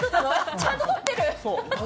ちゃんと撮ってる。